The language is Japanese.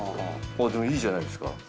でもいいじゃないですか。